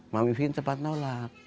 mami fien cepat nolak